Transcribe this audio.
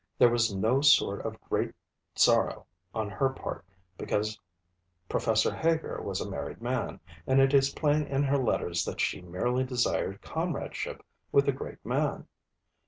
There was no sort of great sorrow on her part because Professor Heger was a married man, and it is plain in her letters that she merely desired comradeship with a great man.